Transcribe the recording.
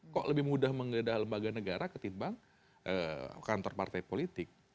kok lebih mudah menggeledah lembaga negara ketimbang kantor partai politik